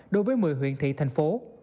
đối với một mươi huyện thị thành phố